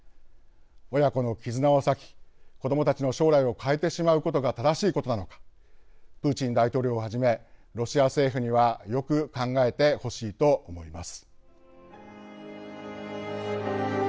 親子の絆をさき子どもたちの将来を変えてしまうことが正しいことなのかプーチン大統領をはじめロシア政府にはよく考えてほしいと思います。